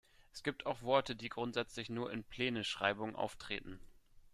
Es gibt auch Worte, die grundsätzlich nur in Plene-Schreibung auftreten.